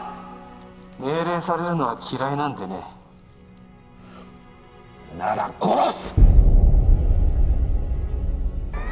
命令されるのは嫌いなんでねなら殺す！